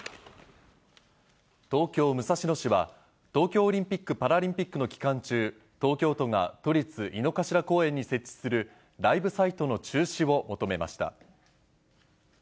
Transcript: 東京・武蔵野市は、東京オリンピック・パラリンピックの期間中、東京都が都立井の頭公園に設置するライブサイトの中止を求めました。